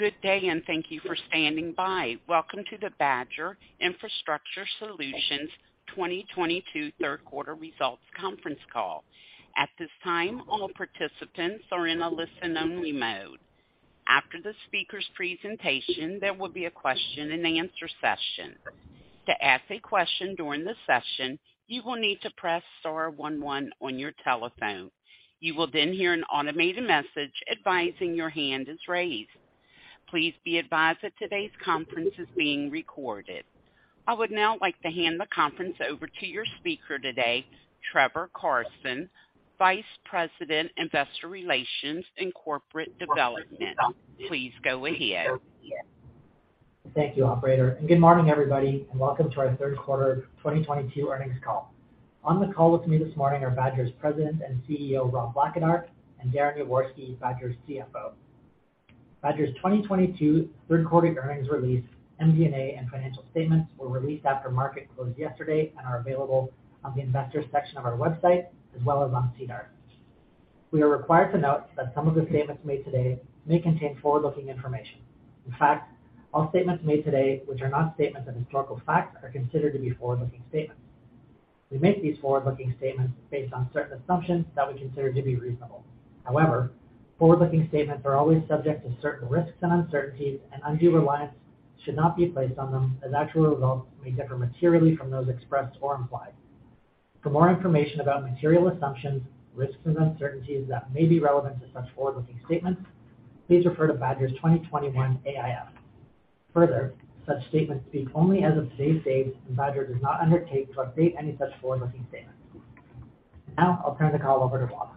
Good day, and thank you for standing by. Welcome to the Badger Infrastructure Solutions 2022 third quarter results conference call. At this time, all participants are in a listen-only mode. After the speaker's presentation, there will be a question-and-answer session. To ask a question during the session, you will need to press star one one on your telephone. You will then hear an automated message advising your hand is raised. Please be advised that today's conference is being recorded. I would now like to hand the conference over to your speaker today, Trevor Carson, Vice President, Investor Relations and Corporate Development. Please go ahead. Thank you, operator, and good morning, everybody, and welcome to our third quarter 2022 earnings call. On the call with me this morning are Badger's President and CEO, Rob Blackadar, and Darren Yaworsky, Badger's CFO. Badger's 2022 third quarter earnings release, MD&A, and financial statements were released after market closed yesterday and are available on the investors section of our website, as well as on SEDAR. We are required to note that some of the statements made today may contain forward-looking information. In fact, all statements made today which are not statements of historical facts are considered to be forward-looking statements. We make these forward-looking statements based on certain assumptions that we consider to be reasonable. However, forward-looking statements are always subject to certain risks and uncertainties, and undue reliance should not be placed on them as actual results may differ materially from those expressed or implied. For more information about material assumptions, risks, and uncertainties that may be relevant to such forward-looking statements, please refer to Badger's 2021 AIF. Further, such statements speak only as of today's date, and Badger does not undertake to update any such forward-looking statements. Now, I'll turn the call over to Rob.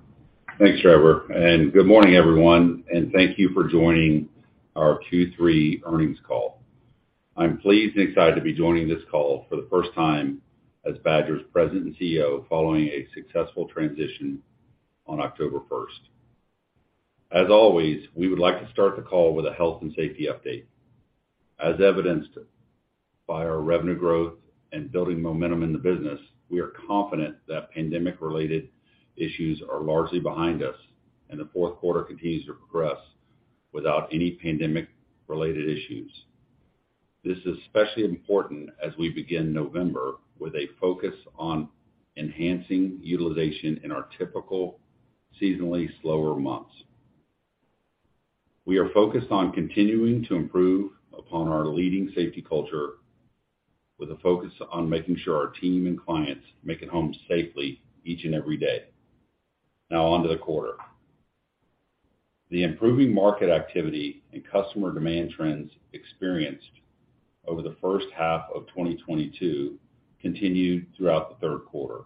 Thanks, Trevor, and good morning, everyone, and thank you for joining our Q3 earnings call. I'm pleased and excited to be joining this call for the first time as Badger's President and CEO following a successful transition on October first. As always, we would like to start the call with a health and safety update. As evidenced by our revenue growth and building momentum in the business, we are confident that pandemic-related issues are largely behind us, and the fourth quarter continues to progress without any pandemic-related issues. This is especially important as we begin November with a focus on enhancing utilization in our typical seasonally slower months. We are focused on continuing to improve upon our leading safety culture with a focus on making sure our team and clients make it home safely each and every day. Now on to the quarter. The improving market activity and customer demand trends experienced over the first half of 2022 continued throughout the third quarter.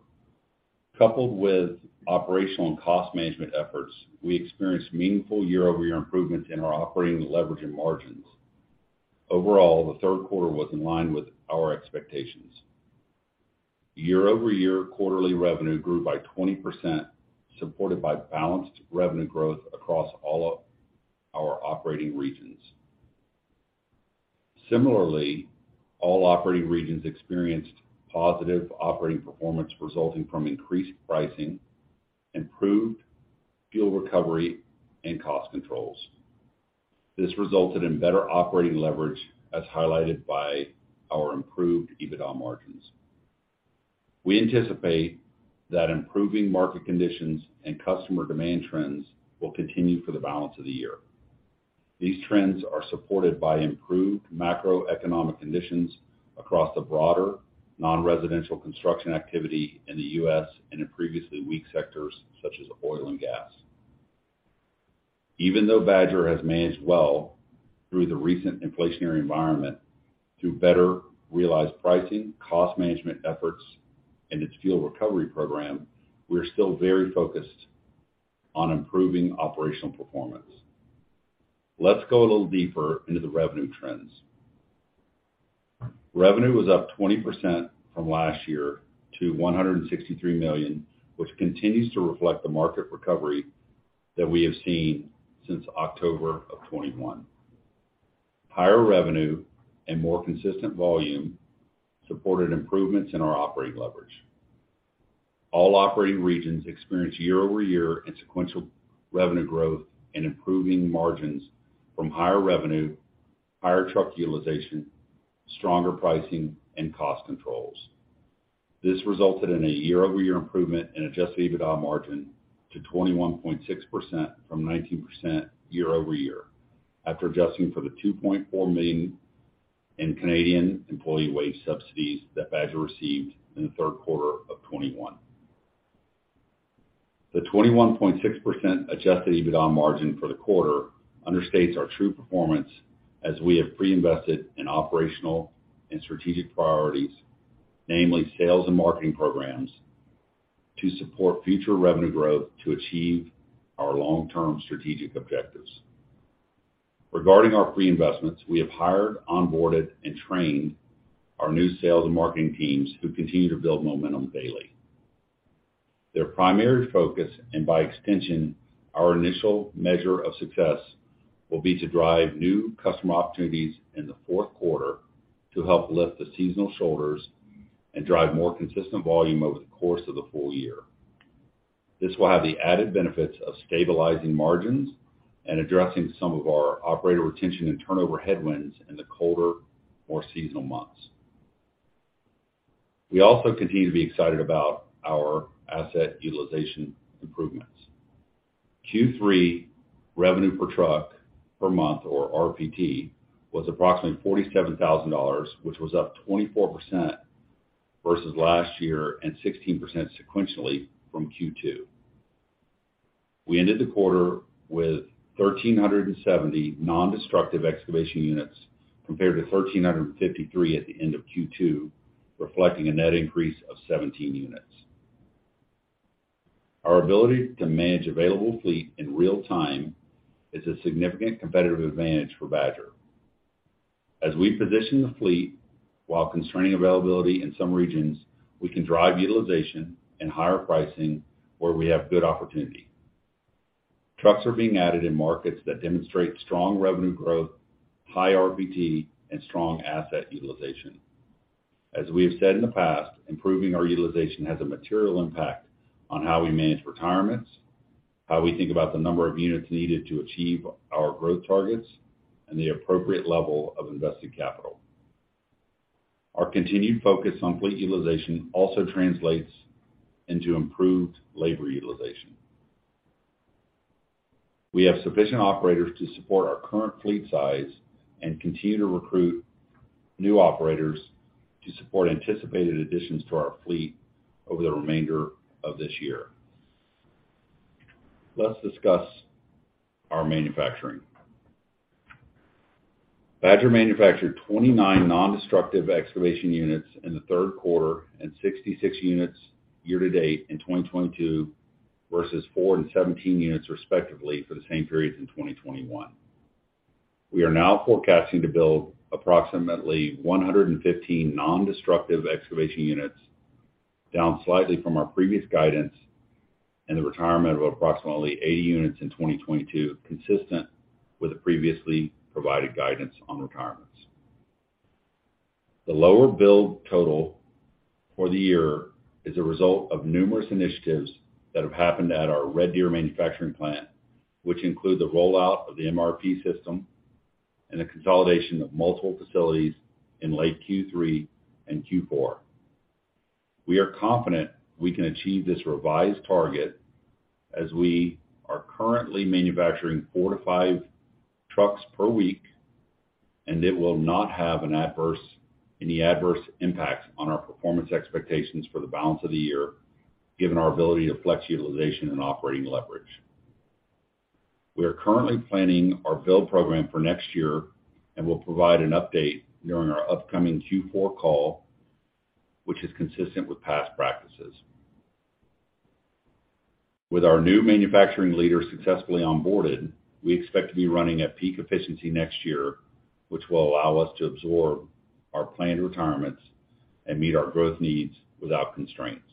Coupled with operational and cost management efforts, we experienced meaningful year-over-year improvement in our operating leverage and margins. Overall, the third quarter was in line with our expectations. Year-over-year quarterly revenue grew by 20%, supported by balanced revenue growth across all of our operating regions. Similarly, all operating regions experienced positive operating performance resulting from increased pricing, improved fuel recovery, and cost controls. This resulted in better operating leverage, as highlighted by our improved EBITDA margins. We anticipate that improving market conditions and customer demand trends will continue for the balance of the year. These trends are supported by improved macroeconomic conditions across the broader non-residential construction activity in the US and in previously weak sectors such as oil and gas. Even though Badger has managed well through the recent inflationary environment through better realized pricing, cost management efforts, and its fuel recovery program, we are still very focused on improving operational performance. Let's go a little deeper into the revenue trends. Revenue was up 20% from last year to $163 million, which continues to reflect the market recovery that we have seen since October of 2021. Higher revenue and more consistent volume supported improvements in our operating leverage. All operating regions experienced year-over-year and sequential revenue growth and improving margins from higher revenue, higher truck utilization, stronger pricing, and cost controls. This resulted in a year-over-year improvement in Adjusted EBITDA margin to 21.6% from 19% year-over-year after adjusting for the $2.4 million in Canadian employee wage subsidies that Badger received in the third quarter of 2021. The 21.6% Adjusted EBITDA margin for the quarter understates our true performance as we have pre-invested in operational and strategic priorities, namely sales and marketing programs, to support future revenue growth to achieve our long-term strategic objectives. Regarding our pre-investments, we have hired, onboarded, and trained our new sales and marketing teams who continue to build momentum daily. Their primary focus, and by extension, our initial measure of success, will be to drive new customer opportunities in the fourth quarter to help lift the seasonal shoulders and drive more consistent volume over the course of the full year. This will have the added benefits of stabilizing margins and addressing some of our operator retention and turnover headwinds in the colder, more seasonal months. We also continue to be excited about our asset utilization improvements. Q3 revenue per truck per month, or RPT, was approximately $47,000, which was up 24% versus last year and 16% sequentially from Q2. We ended the quarter with 1,370 nondestructive excavation units compared to 1,353 at the end of Q2, reflecting a net increase of 17 units. Our ability to manage available fleet in real time is a significant competitive advantage for Badger. As we position the fleet while constraining availability in some regions, we can drive utilization and higher pricing where we have good opportunity. Trucks are being added in markets that demonstrate strong revenue growth, high RPT, and strong asset utilization. As we have said in the past, improving our utilization has a material impact on how we manage retirements, how we think about the number of units needed to achieve our growth targets, and the appropriate level of invested capital. Our continued focus on fleet utilization also translates into improved labor utilization. We have sufficient operators to support our current fleet size and continue to recruit new operators to support anticipated additions to our fleet over the remainder of this year. Let's discuss our manufacturing. Badger manufactured 29 nondestructive excavation units in the third quarter and 66 units year to date in 2022 versus four and 17 units respectively for the same periods in 2021. We are now forecasting to build approximately 115 nondestructive excavation units, down slightly from our previous guidance, and the retirement of approximately 80 units in 2022, consistent with the previously provided guidance on retirements. The lower build total for the year is a result of numerous initiatives that have happened at our Red Deer manufacturing plant, which include the rollout of the MRP system and the consolidation of multiple facilities in late Q3 and Q4. We are confident we can achieve this revised target as we are currently manufacturing four-five trucks per week, and it will not have any adverse impact on our performance expectations for the balance of the year, given our ability to flex utilization and operating leverage. We are currently planning our build program for next year and will provide an update during our upcoming Q4 call, which is consistent with past practices. With our new manufacturing leader successfully onboarded, we expect to be running at peak efficiency next year, which will allow us to absorb our planned retirements and meet our growth needs without constraints.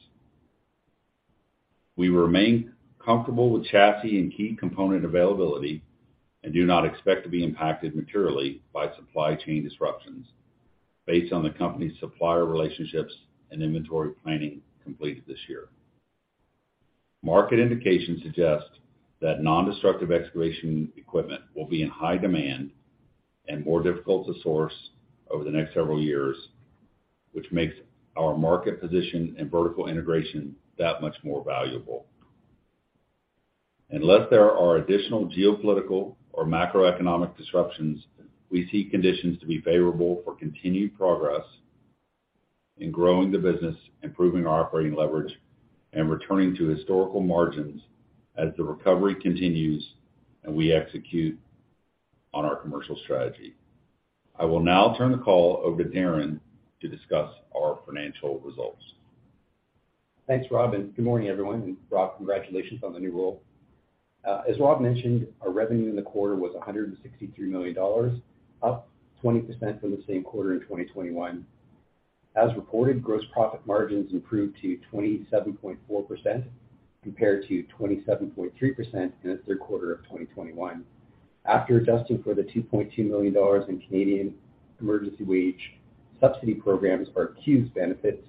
We remain comfortable with chassis and key component availability and do not expect to be impacted materially by supply chain disruptions based on the company's supplier relationships and inventory planning completed this year. Market indications suggest that nondestructive excavation equipment will be in high demand and more difficult to source over the next several years, which makes our market position and vertical integration that much more valuable. Unless there are additional geopolitical or macroeconomic disruptions, we see conditions to be favorable for continued progress in growing the business, improving our operating leverage, and returning to historical margins as the recovery continues and we execute on our commercial strategy. I will now turn the call over to Darren to discuss our financial results. Thanks, Rob, and good morning, everyone. Rob, congratulations on the new role. As Rob mentioned, our revenue in the quarter was $163 million, up 20% from the same quarter in 2021. As reported, gross profit margins improved to 27.4% compared to 27.3% in the third quarter of 2021. After adjusting for the 2.2 million dollars in Canada Emergency Wage Subsidy programs, or CEWS benefits,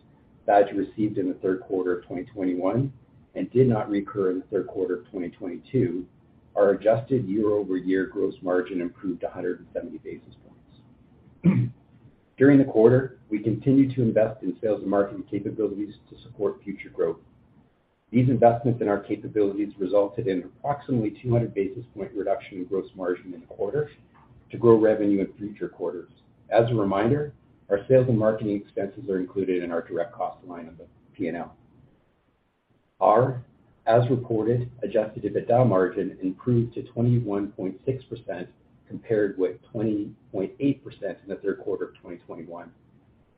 Badger received in the third quarter of 2021 and did not recur in the third quarter of 2022, our adjusted year-over-year gross margin improved 170 basis points. During the quarter, we continued to invest in sales and marketing capabilities to support future growth. These investments in our capabilities resulted in approximately 200 basis points reduction in gross margin in the quarter to grow revenue in future quarters. As a reminder, our sales and marketing expenses are included in our direct cost line of the P&L. Our as reported Adjusted EBITDA margin improved to 21.6% compared with 20.8% in the third quarter of 2021.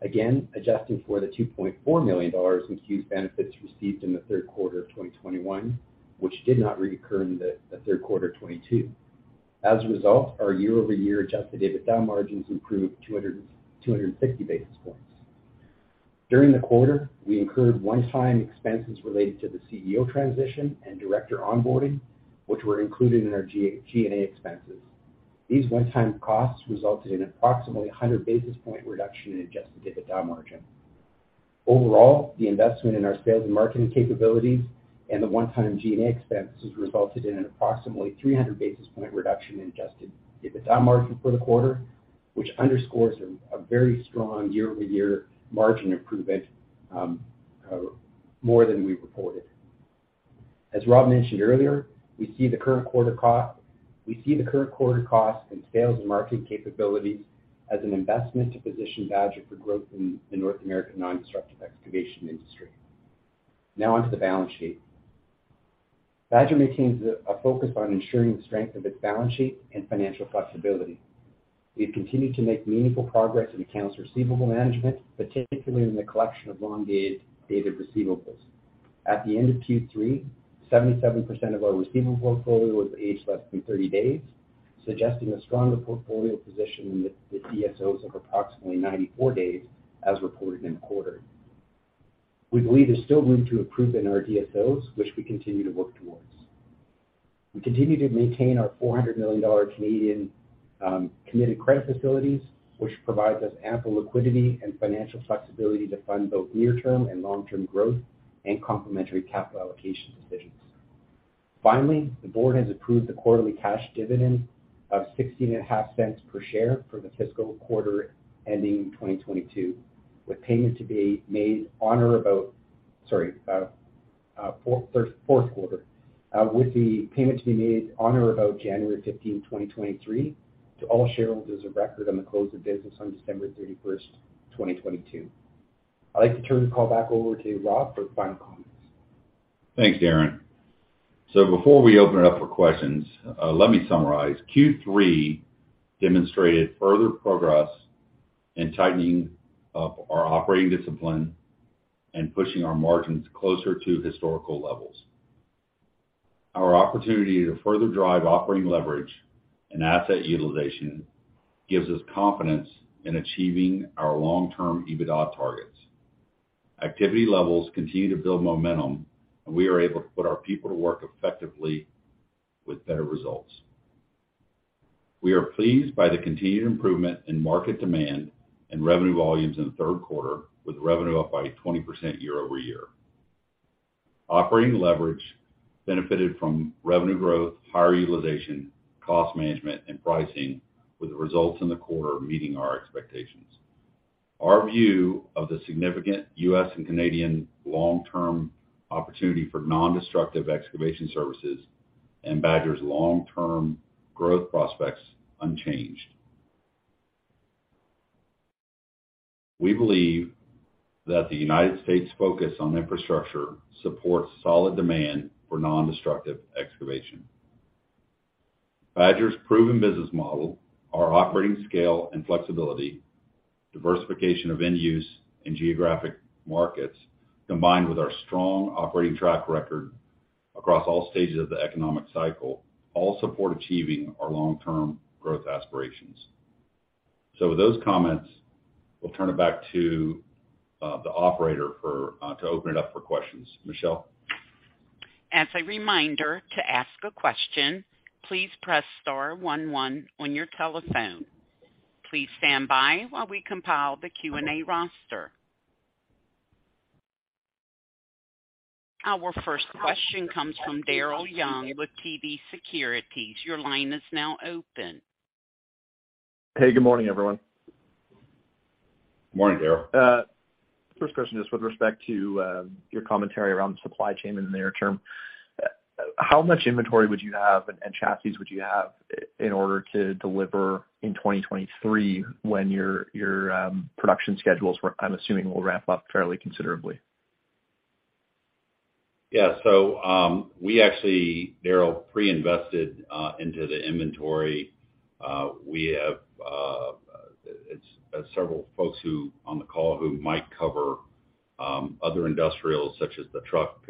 Again, adjusting for the $2.4 million in CEWS benefits received in the third quarter of 2021, which did not reoccur in the third quarter of 2022. As a result, our year-over-year Adjusted EBITDA margins improved 250 basis points. During the quarter, we incurred one-time expenses related to the CEO transition and director onboarding, which were included in our G&A expenses. These one-time costs resulted in approximately 100 basis point reduction in Adjusted EBITDA margin. Overall, the investment in our sales and marketing capabilities and the one-time G&A expenses resulted in an approximately 300 basis point reduction in Adjusted EBITDA margin for the quarter, which underscores a very strong year-over-year margin improvement, more than we reported. As Rob mentioned earlier, we see the current quarter cost and sales and marketing capabilities as an investment to position Badger for growth in the North American non-destructive excavation industry. Now on to the balance sheet. Badger maintains a focus on ensuring the strength of its balance sheet and financial flexibility. We have continued to make meaningful progress in accounts receivable management, particularly in the collection of long dated receivables. At the end of Q3, 77% of our receivable portfolio was aged less than 30 days, suggesting a stronger portfolio position with DSOs of approximately 94 days as reported in the quarter. We believe there's still room to improve in our DSOs, which we continue to work towards. We continue to maintain our 400 million Canadian dollars committed credit facilities, which provides us ample liquidity and financial flexibility to fund both near-term and long-term growth and complementary capital allocation decisions. Finally, the board has approved the quarterly cash dividend of 0.165 per share for the fiscal quarter ending 2022, with payment to be made on or about. Fourth quarter, with the payment to be made on or about January 15, 2023 to all shareholders of record on the close of business on December 31, 2022. I'd like to turn the call back over to Rob for final comments. Thanks, Darren. Before we open it up for questions, let me summarize. Q3 demonstrated further progress in tightening up our operating discipline and pushing our margins closer to historical levels. Our opportunity to further drive operating leverage and asset utilization gives us confidence in achieving our long-term EBITDA targets. Activity levels continue to build momentum, and we are able to put our people to work effectively with better results. We are pleased by the continued improvement in market demand and revenue volumes in the third quarter, with revenue up by 20% year-over-year. Operating leverage benefited from revenue growth, higher utilization, cost management, and pricing, with the results in the quarter meeting our expectations. Our view of the significant U.S. and Canadian long-term opportunity for non-destructive excavation services and Badger's long-term growth prospects unchanged. We believe that the United States' focus on infrastructure supports solid demand for nondestructive excavation. Badger's proven business model, our operating scale and flexibility, diversification of end use and geographic markets, combined with our strong operating track record across all stages of the economic cycle, all support achieving our long-term growth aspirations. With those comments, we'll turn it back to the operator for to open it up for questions. Michelle? As a reminder, to ask a question, please press star one one on your telephone. Please stand by while we compile the Q&A roster. Our first question comes from Daryl Young with TD Securities. Your line is now open. Hey, good morning, everyone. Morning, Daryl. First question is with respect to your commentary around the supply chain in the near term. How much inventory would you have and chassis would you have in order to deliver in 2023 when your production schedules, I'm assuming, will ramp up fairly considerably? Yeah. We actually, Daryl, pre-invested into the inventory. We have several folks who on the call who might cover other industrials such as the truck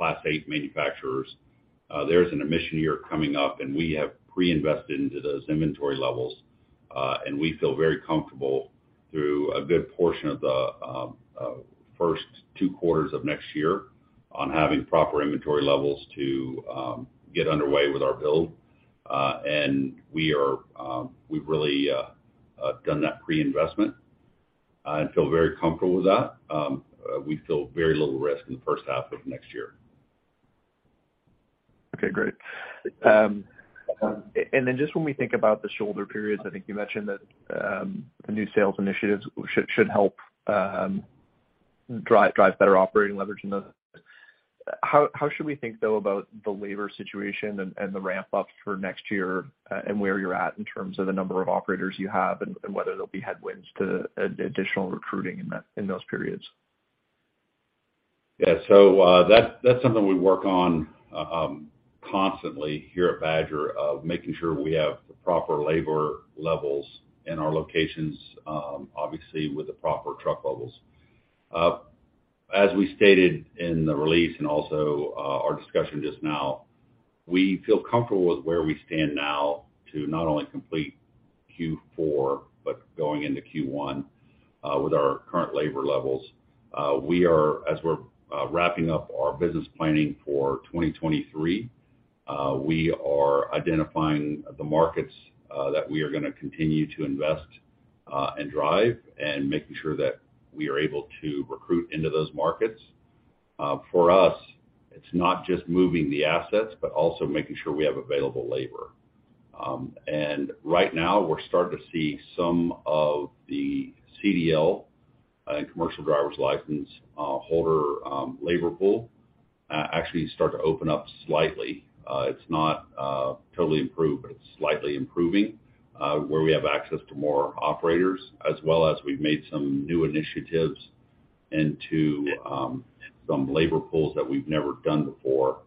Class eight manufacturers. There's an emissions year coming up, and we have pre-invested into those inventory levels, and we feel very comfortable through a good portion of the first two quarters of next year on having proper inventory levels to get underway with our build. We've really done that pre-investment, and feel very comfortable with that. We feel very little risk in the first half of next year. Okay, great. Just when we think about the shoulder periods, I think you mentioned that the new sales initiatives should help drive better operating leverage in those. How should we think though about the labor situation and the ramp up for next year, and where you're at in terms of the number of operators you have and whether there'll be headwinds to additional recruiting in that, in those periods? Yeah. That's something we work on constantly here at Badger, making sure we have the proper labor levels in our locations, obviously with the proper truck levels. As we stated in the release and also our discussion just now, we feel comfortable with where we stand now to not only complete Q4, but going into Q1, with our current labor levels. As we're wrapping up our business planning for 2023, we are identifying the markets that we are gonna continue to invest and drive and making sure that we are able to recruit into those markets. For us, it's not just moving the assets, but also making sure we have available labor. Right now, we're starting to see some of the CDL and commercial driver's license holder labor pool actually start to open up slightly. It's not totally improved, but it's slightly improving, where we have access to more operators, as well as we've made some new initiatives into some labor pools that we've never done before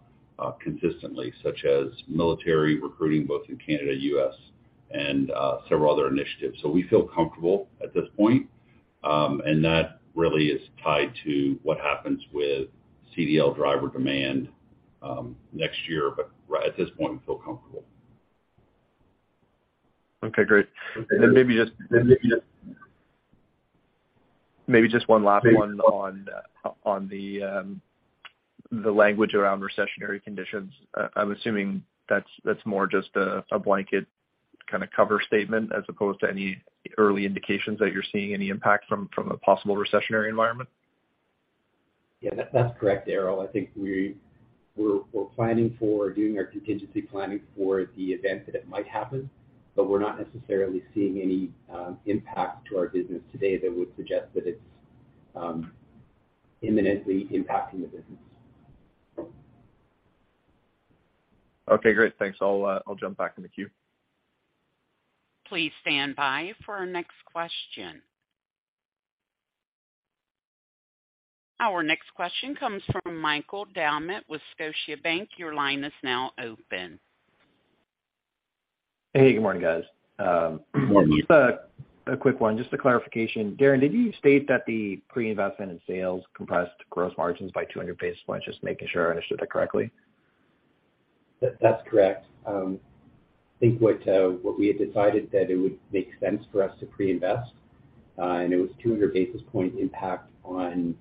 consistently, such as military recruiting, both in Canada, U.S., and several other initiatives. We feel comfortable at this point. That really is tied to what happens with CDL driver demand next year. At this point, we feel comfortable. Okay, great. Maybe just one last one on the language around recessionary conditions. I'm assuming that's more just a blanket kinda cover statement as opposed to any early indications that you're seeing any impact from a possible recessionary environment. Yeah, that's correct, Daryl. I think we're planning for doing our contingency planning for the event that it might happen, but we're not necessarily seeing any impact to our business today that would suggest that it's imminently impacting the business. Okay, great. Thanks. I'll jump back in the queue. Please stand by for our next question. Our next question comes from Michael Doumet with Scotiabank. Your line is now open. Hey, good morning, guys. Just a quick one, just a clarification. Darren, did you state that the pre-investment in sales compressed gross margins by 200 basis points? Just making sure I understood that correctly. That's correct. I think what we had decided that it would make sense for us to pre-invest, and it was 200 basis point impact on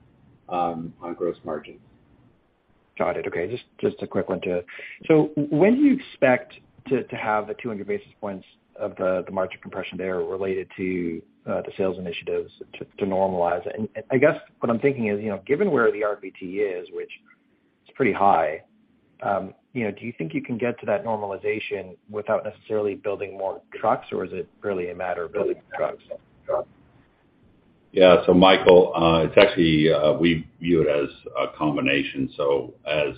gross margin. Got it. Okay. Just a quick one, too. When do you expect to have the 200 basis points of the margin compression there related to the sales initiatives to normalize? I guess what I'm thinking is, you know, given where the RPT is, which is pretty high, you know, do you think you can get to that normalization without necessarily building more trucks, or is it really a matter of building trucks? Yeah. Michael, it's actually we view it as a combination. As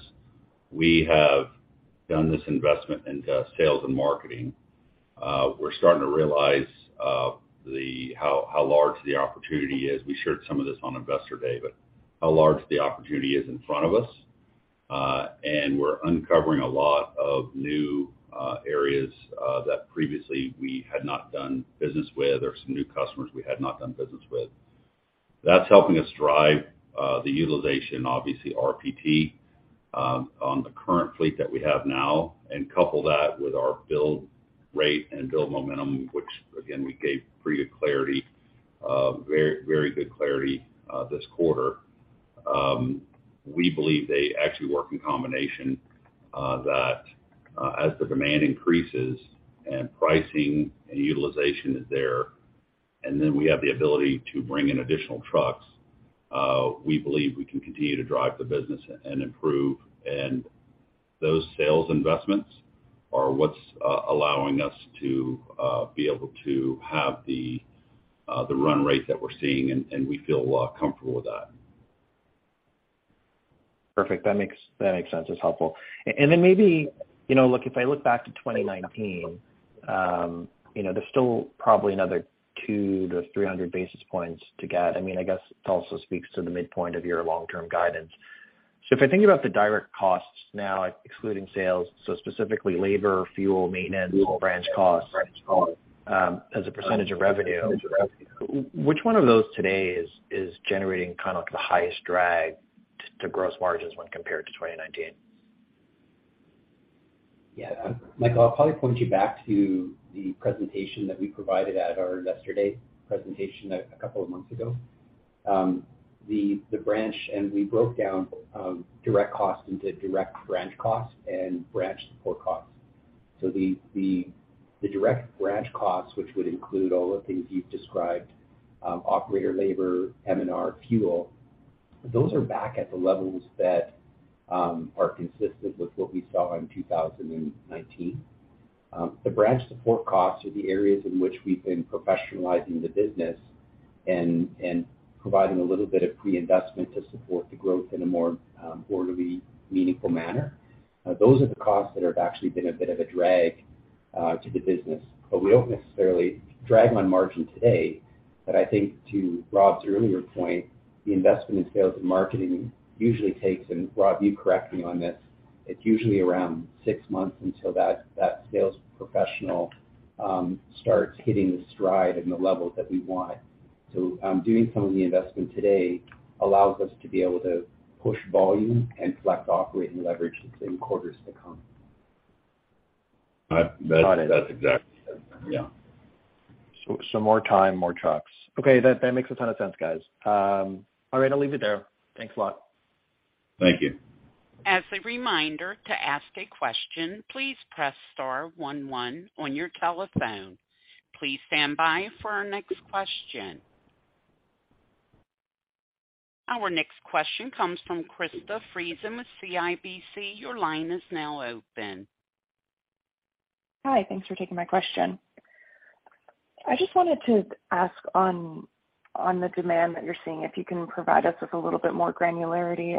we have done this investment into sales and marketing, we're starting to realize how large the opportunity is. We shared some of this on Investor Day, but how large the opportunity is in front of us. We're uncovering a lot of new areas that previously we had not done business with or some new customers we had not done business with. That's helping us drive the utilization, obviously, RPT, on the current fleet that we have now, and couple that with our build rate and build momentum, which again, we gave pretty good clarity, very good clarity, this quarter. We believe they actually work in combination, that as the demand increases and pricing and utilization is there, and then we have the ability to bring in additional trucks, we believe we can continue to drive the business and improve. Those sales investments are what's allowing us to be able to have the run rate that we're seeing, and we feel comfortable with that. Perfect. That makes sense. It's helpful. Then maybe, you know, look, if I look back to 2019, you know, there's still probably another 200-300 basis points to get. I mean, I guess it also speaks to the midpoint of your long-term guidance. If I think about the direct costs now, excluding sales, so specifically labor, fuel, maintenance, branch costs, as a percentage of revenue, which one of those today is generating kind of the highest drag to gross margins when compared to 2019? Yeah. Michael, I'll probably point you back to the presentation that we provided at our Investor Day presentation a couple of months ago. The branch and we broke down direct costs into direct branch costs and branch support costs. The direct branch costs, which would include all the things you've described, operator labor, M&R, fuel, those are back at the levels that are consistent with what we saw in 2019. The branch support costs are the areas in which we've been professionalizing the business and providing a little bit of pre-investment to support the growth in a more orderly, meaningful manner. Those are the costs that have actually been a bit of a drag to the business, but we don't necessarily drag on margin today. I think to Rob's earlier point, the investment in sales and marketing usually takes, and Rob, you correct me on this, it's usually around six months until that sales professional starts hitting the stride and the levels that we want. Doing some of the investment today allows us to be able to push volume and select operating leverage in quarters to come. That's exactly. Yeah. Some more time, more trucks. Okay. That makes a ton of sense, guys. All right. I'll leave it there. Thanks a lot. Thank you. As a reminder, to ask a question, please press star one one on your telephone. Please stand by for our next question. Our next question comes from Krista Friesen with CIBC. Your line is now open. Hi. Thanks for taking my question. I just wanted to ask on the demand that you're seeing, if you can provide us with a little bit more granularity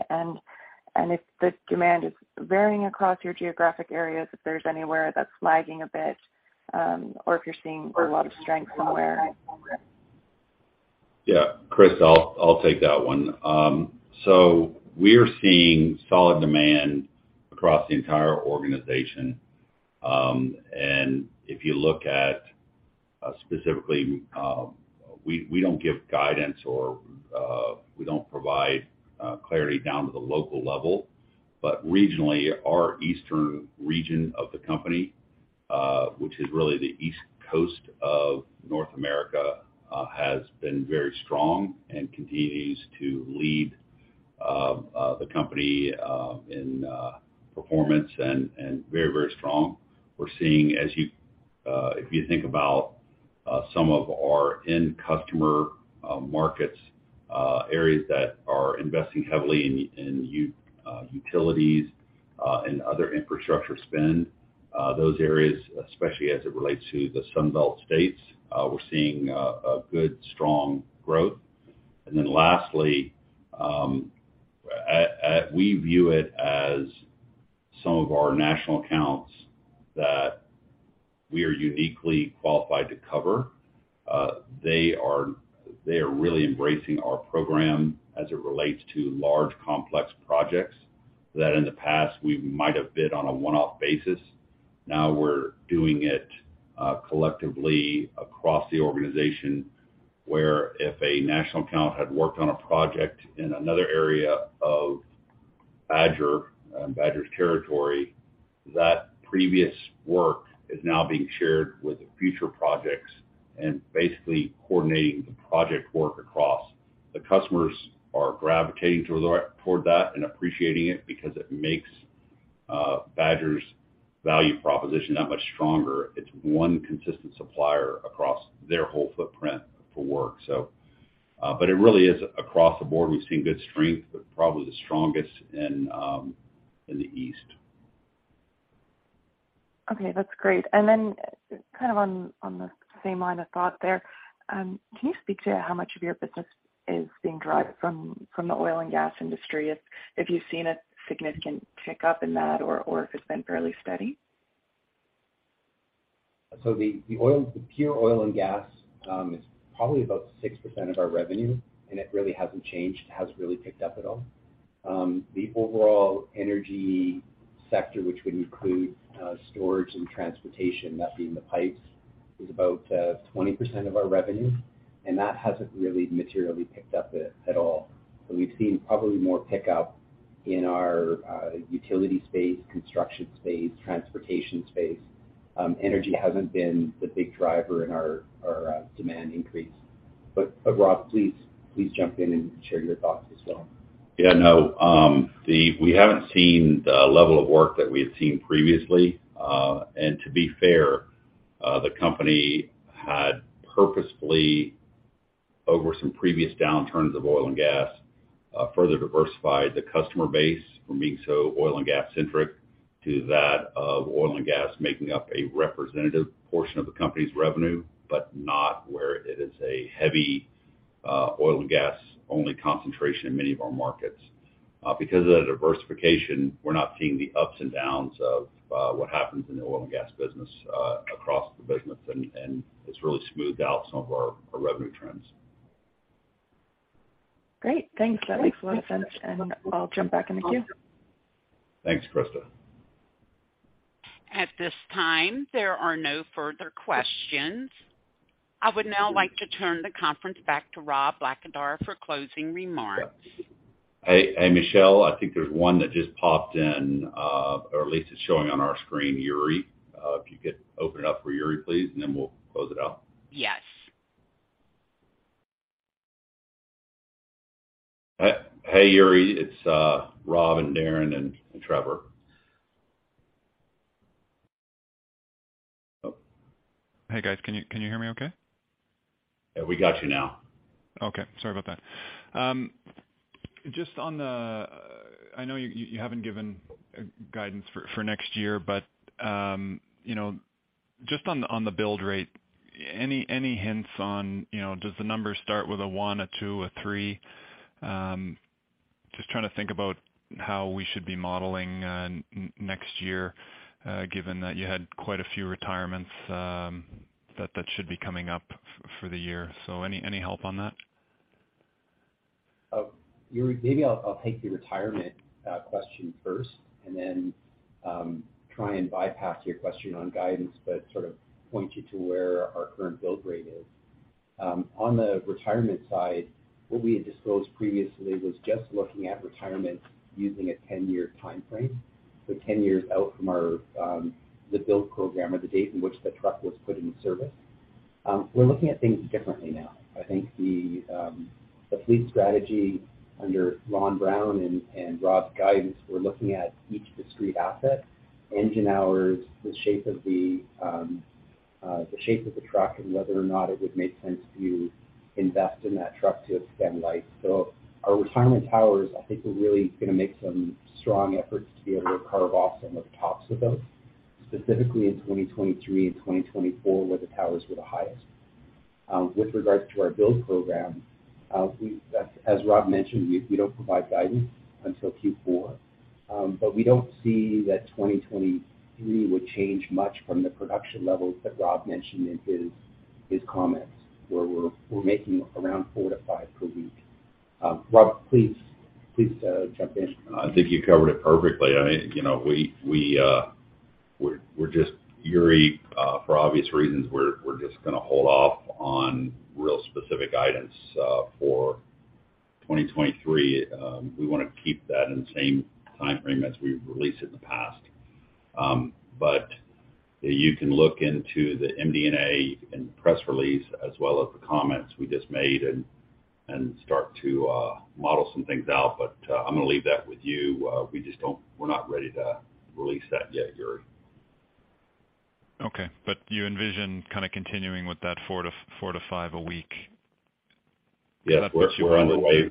and if the demand is varying across your geographic areas, if there's anywhere that's lagging a bit, or if you're seeing a lot of strength somewhere. Yeah, Krista, I'll take that one. We're seeing solid demand across the entire organization. If you look at specifically, we don't give guidance or we don't provide clarity down to the local level. Regionally, our eastern region of the company, which is really the East Coast of North America, has been very strong and continues to lead the company in performance and very strong. If you think about some of our end customer markets, areas that are investing heavily in utilities and other infrastructure spend, those areas, especially as it relates to the Sun Belt states, we're seeing a good strong growth. We view it as some of our national accounts that we are uniquely qualified to cover. They are really embracing our program as it relates to large complex projects that in the past we might have bid on a one-off basis. Now we're doing it collectively across the organization, where if a national account had worked on a project in another area of Badger's territory, that previous work is now being shared with the future projects and basically coordinating the project work across. The customers are gravitating toward that and appreciating it because it makes Badger's value proposition that much stronger. It's one consistent supplier across their whole footprint for work. It really is across the board, we've seen good strength, but probably the strongest in the East. Okay, that's great. Then kind of on the same line of thought there, can you speak to how much of your business is being driven from the oil and gas industry, if you've seen a significant tick up in that or if it's been fairly steady? The pure oil and gas is probably about 6% of our revenue, and it really hasn't changed. It hasn't really picked up at all. The overall energy sector, which would include storage and transportation, that being the pipes, is about 20% of our revenue, and that hasn't really materially picked up at all. We've seen probably more pickup in our utility space, construction space, transportation space. Energy hasn't been the big driver in our demand increase. Rob, please jump in and share your thoughts as well. Yeah, no. We haven't seen the level of work that we had seen previously. To be fair, the company had purposefully, over some previous downturns of oil and gas, further diversified the customer base from being so oil and gas centric to that of oil and gas, making up a representative portion of the company's revenue, but not where it is a heavy, oil and gas only concentration in many of our markets. Because of the diversification, we're not seeing the ups and downs of what happens in the oil and gas business across the business. It's really smoothed out some of our revenue trends. Great. Thanks. That makes a lot of sense. I'll jump back in the queue. Thanks, Krista. At this time, there are no further questions. I would now like to turn the conference back to Rob Blackadar for closing remarks. Hey, hey, Michelle. I think there's one that just popped in, or at least it's showing on our screen, Yuri. If you could open it up for Yuri, please, and then we'll close it out. Yes. Hey, Yuri. It's Rob and Darren and Trevor. Oh. Hey, guys. Can you hear me okay? Yeah, we got you now. Okay. Sorry about that. Just on the, I know you haven't given guidance for next year, but you know, just on the build rate, any hints on, you know, does the numbers start with a one, a two, a three? Just trying to think about how we should be modeling next year, given that you had quite a few retirements, that should be coming up for the year. Any help on that? Yuri, maybe I'll take the retirement question first and then try and bypass your question on guidance, but sort of point you to where our current build rate is. On the retirement side, what we had disclosed previously was just looking at retirement using a ten-year time frame. Ten years out from the build program or the date in which the truck was put in service. We're looking at things differently now. I think the fleet strategy under Ron Brown and Rob's guidance, we're looking at each discrete asset, engine hours, the shape of the truck, and whether or not it would make sense to invest in that truck to extend life. Our retirement towers, I think we're really gonna make some strong efforts to be able to carve off some of the tops of those, specifically in 2023 and 2024, where the towers were the highest. With regards to our build program, that's as Rob mentioned, we don't provide guidance until Q4. We don't see that 2023 would change much from the production levels that Rob mentioned in his comments, where we're making around four-five per week. Rob, please, jump in. I think you covered it perfectly. I think, you know, we're just, Yuri, for obvious reasons, we're just gonna hold off on real specific guidance for 2023. We wanna keep that in the same time frame as we've released it in the past. You can look into the MD&A and press release as well as the comments we just made and start to model some things out. I'm gonna leave that with you. We're not ready to release that yet, Yuri. Okay. You envision kind of continuing with that four-five a week? Yes. We're underway. That's your runway.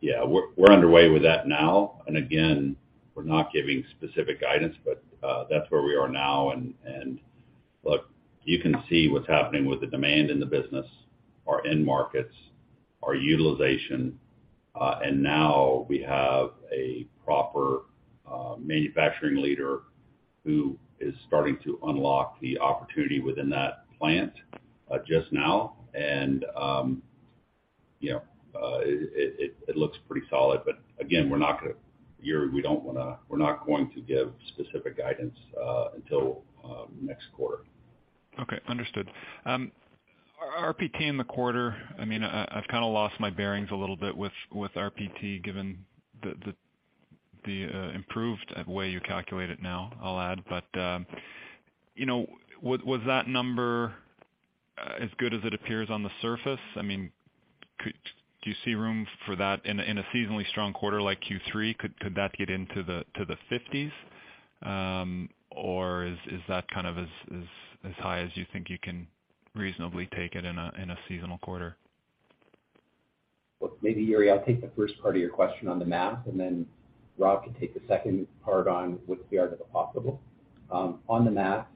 Yeah. We're underway with that now. Again, we're not giving specific guidance, but that's where we are now. Look, you can see what's happening with the demand in the business, our end markets, our utilization. Now we have a proper manufacturing leader who is starting to unlock the opportunity within that plant just now. You know, it looks pretty solid. Again, we're not going to give specific guidance, Yuri, until next quarter. Okay. Understood. RPT in the quarter, I mean, I've kind of lost my bearings a little bit with RPT given the improved way you calculate it now, I'll add. You know, was that number as good as it appears on the surface? I mean, do you see room for that in a seasonally strong quarter like Q3, could that get into the fifties? Or is that kind of as high as you think you can reasonably take it in a seasonal quarter? Look, maybe Yuri, I'll take the first part of your question on the math, and then Rob can take the second part on what's the art of the possible. On the math,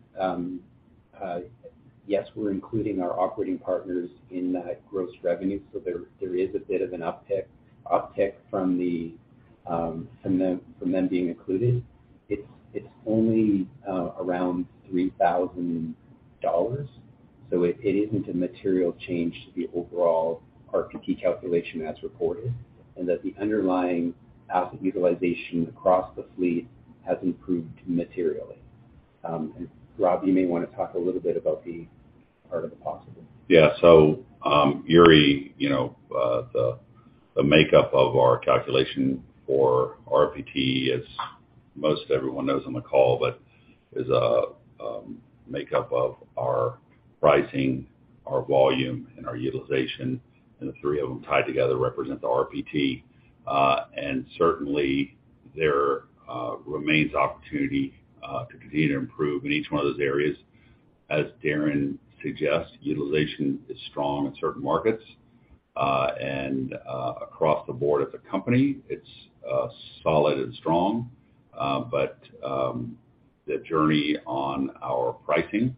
yes, we're including our operating partners in gross revenue, so there is a bit of an uptick from them being included. It's only around 3,000 dollars, so it isn't a material change to the overall RPT calculation as reported, and that the underlying asset utilization across the fleet has improved materially. Rob, you may wanna talk a little bit about the art of the possible. Yeah. Yuri, you know, the makeup of our calculation for RPT, as most everyone knows on the call, but is makeup of our pricing, our volume, and our utilization, and the three of them tied together represent the RPT. Certainly, there remains opportunity to continue to improve in each one of those areas. As Darren suggests, utilization is strong in certain markets, and across the board as a company, it's solid and strong. The journey on our pricing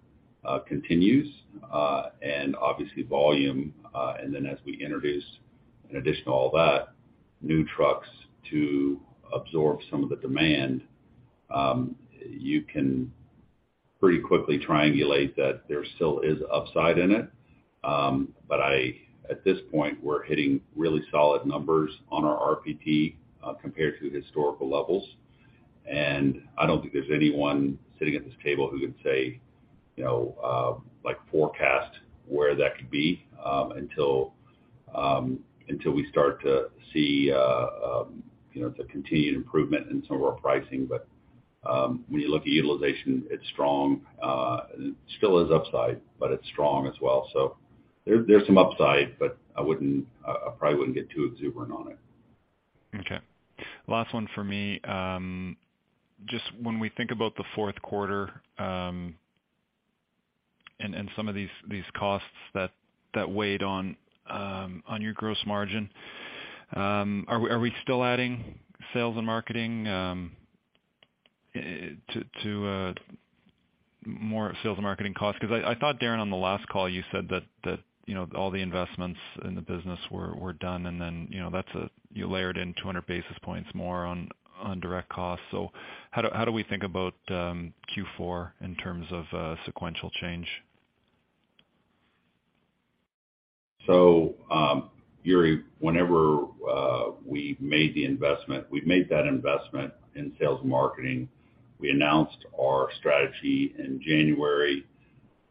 continues, and obviously volume. Then as we introduce in addition to all that, new trucks to absorb some of the demand, you can pretty quickly triangulate that there still is upside in it. At this point, we're hitting really solid numbers on our RPT compared to historical levels. I don't think there's anyone sitting at this table who can say, you know, like forecast where that could be until we start to see, you know, the continued improvement in some of our pricing. When you look at utilization, it's strong. And it still is upside, but it's strong as well. There's some upside, but I probably wouldn't get too exuberant on it. Okay. Last one for me. Just when we think about the fourth quarter, and some of these costs that weighed on your gross margin, are we still adding sales and marketing to more sales and marketing costs? Because I thought, Darren, on the last call, you said that you know, all the investments in the business were done and then you know, you layered in 200 basis points more on direct costs. How do we think about Q4 in terms of sequential change? Yuri, when we made the investment, we made that investment in sales and marketing. We announced our strategy in January.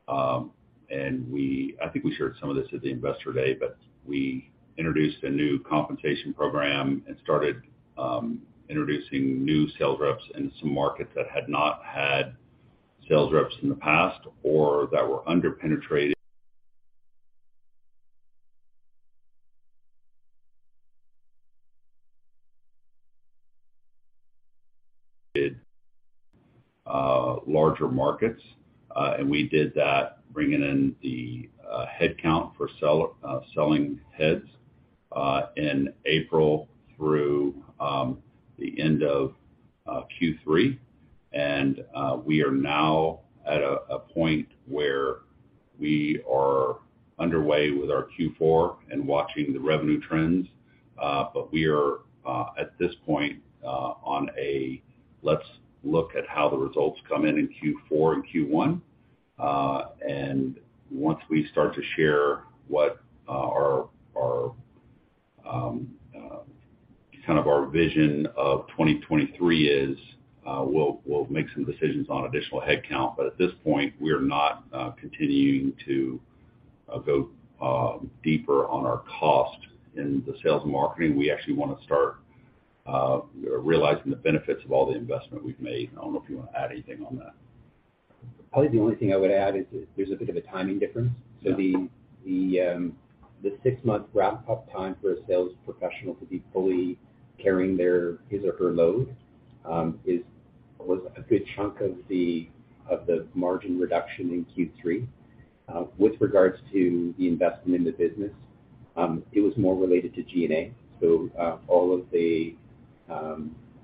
I think we shared some of this at the Investor Day, but we introduced a new compensation program and started introducing new sales reps in some markets that had not had sales reps in the past or that were under-penetrated larger markets. We did that bringing in the headcount for sales heads in April through the end of Q3. We are now at a point where we are underway with our Q4 and watching the revenue trends. We are at this point on a "let's look at how the results come in in Q4 and Q1." Once we start to share what our kind of vision of 2023 is, we'll make some decisions on additional headcount. At this point, we are not continuing to go deeper on our cost in the sales and marketing. We actually wanna start realizing the benefits of all the investment we've made. I don't know if you wanna add anything on that. Probably the only thing I would add is there's a bit of a timing difference. Yeah. The six-month ramp-up time for a sales professional to be fully carrying their, his or her load was a good chunk of the margin reduction in Q3. With regards to the investment in the business, it was more related to G&A.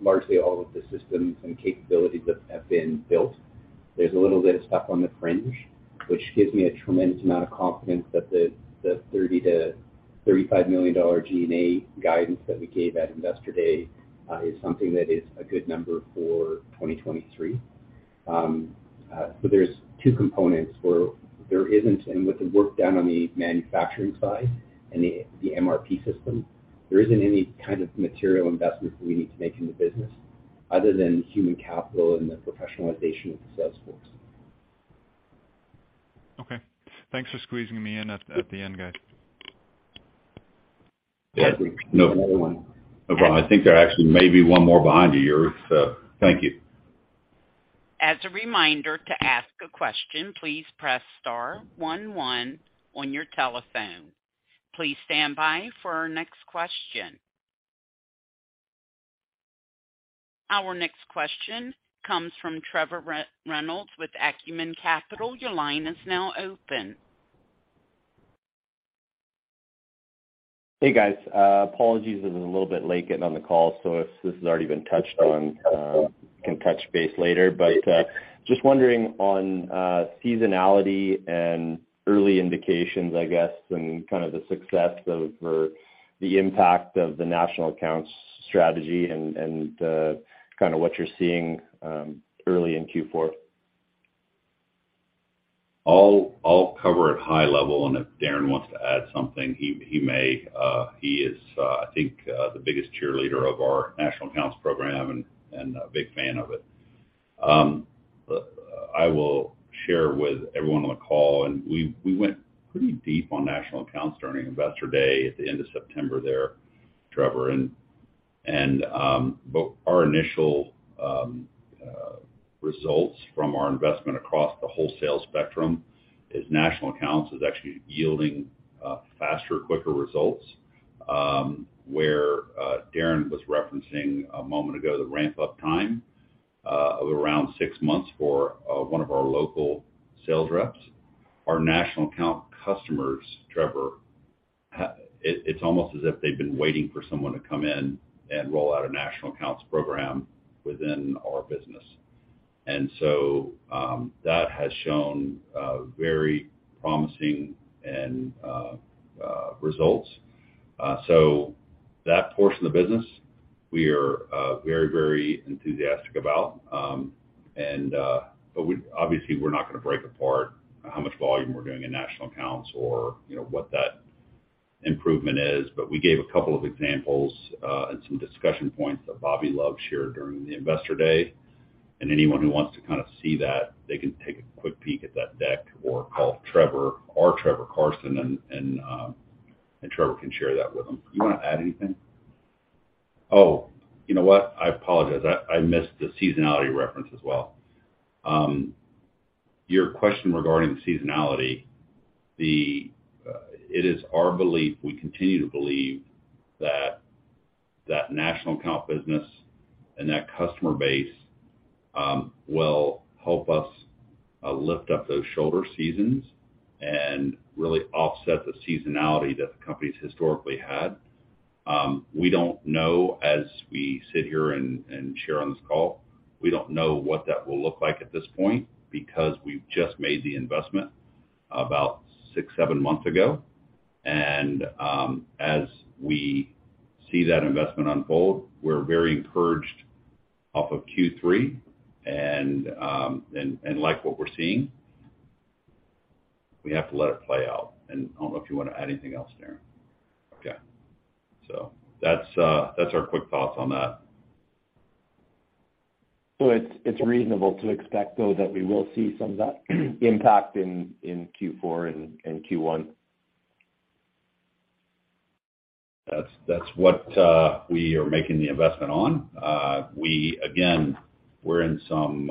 Largely all of the systems and capabilities that have been built, there's a little bit of stuff on the fringe, which gives me a tremendous amount of confidence that the $30 million-$35 million G&A guidance that we gave at Investor Day is something that is a good number for 2023. There's two components. Where there isn't. With the work done on the manufacturing side and the MRP system, there isn't any kind of material investment that we need to make in the business other than human capital and the professionalization of the sales force. Okay. Thanks for squeezing me in at the end, guys. Yeah. No. Another one. Yuri, I think there actually may be one more behind you, Yuri. Thank you. As a reminder, to ask a question, please press star one one on your telephone. Please stand by for our next question. Our next question comes from Trevor Reynolds with Acumen Capital. Your line is now open. Hey, guys. Apologies, I was a little bit late getting on the call. If this has already been touched on, can touch base later. Just wondering on seasonality and early indications, I guess, and kind of the success of or the impact of the national accounts strategy and kinda what you're seeing early in Q4. I'll cover at high level, and if Darren wants to add something, he may. He is, I think, the biggest cheerleader of our national accounts program and a big fan of it. I will share with everyone on the call, and we went pretty deep on national accounts during Investor Day at the end of September there, Trevor. Our initial results from our investment across the wholesale spectrum is national accounts actually yielding faster, quicker results. Where Darren was referencing a moment ago the ramp-up time of around six months for one of our local sales reps. Our national account customers, Trevor, it's almost as if they've been waiting for someone to come in and roll out a national accounts program within our business. That has shown very promising results. That portion of the business we are very enthusiastic about. We're obviously not gonna break apart how much volume we're doing in national accounts or, you know, what that improvement is, but we gave a couple of examples and some discussion points that Rob Blackadar shared during the Investor Day. Anyone who wants to kind of see that, they can take a quick peek at that deck or call Trevor Carson, and Trevor can share that with them. Do you want to add anything? Oh, you know what? I apologize. I missed the seasonality reference as well. Your question regarding seasonality, the... It is our belief, we continue to believe that national account business and that customer base will help us lift up those shoulder seasons and really offset the seasonality that the company's historically had. We don't know as we sit here and share on this call, we don't know what that will look like at this point because we've just made the investment about six, seven months ago. As we see that investment unfold, we're very encouraged off of Q3 and like what we're seeing, we have to let it play out. I don't know if you wanna add anything else, Darren. Okay. That's our quick thoughts on that. It's reasonable to expect though that we will see some of that impact in Q4 and Q1. That's what we are making the investment on. We again, we're in some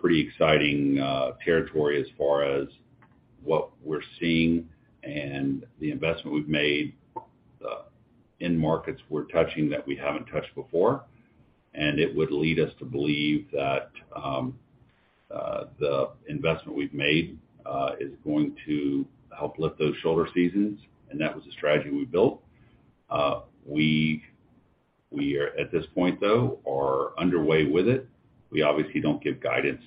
pretty exciting territory as far as what we're seeing and the investment we've made in markets we're touching that we haven't touched before. It would lead us to believe that the investment we've made is going to help lift those shoulder seasons, and that was the strategy we built. We are at this point, though, underway with it. We obviously don't give guidance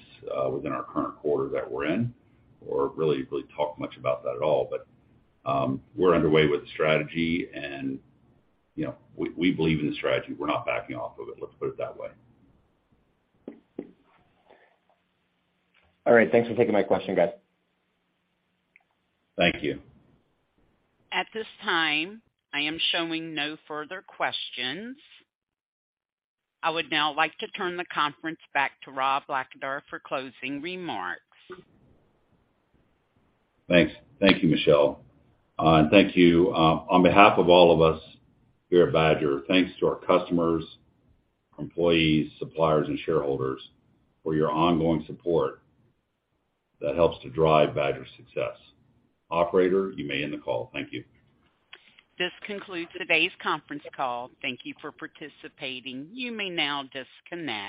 within our current quarter that we're in or really talk much about that at all. We're underway with the strategy and, you know, we believe in the strategy. We're not backing off of it, let's put it that way. All right. Thanks for taking my question, guys. Thank you. At this time, I am showing no further questions. I would now like to turn the conference back to Rob Blackadar for closing remarks. Thanks. Thank you, Michelle. Thank you, on behalf of all of us here at Badger, thanks to our customers, employees, suppliers and shareholders for your ongoing support that helps to drive Badger success. Operator, you may end the call. Thank you. This concludes today's conference call. Thank you for participating. You may now disconnect.